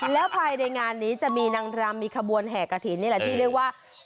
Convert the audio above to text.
แล้วภายในงานนี้จะมีนางรำมีขบวนแห่กระถิ่นนี่แหละที่เรียกว่า